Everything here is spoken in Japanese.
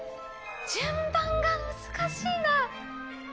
順番が難しいな。